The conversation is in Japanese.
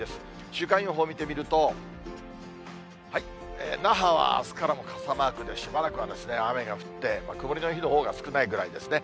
週間予報を見てみると、那覇はあすからも傘マークで、しばらくは雨が降って、曇りの日のほうが少ないぐらいですね。